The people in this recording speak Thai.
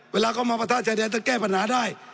เวลาเขามาประทะชายแดนจะแก้ปัญหาได้